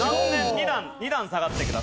２段２段下がってください。